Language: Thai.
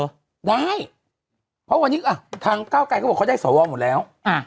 ได้เพราะวันนี้ทางก้าวไกรเขาบอกเขาได้สวหมดแล้ว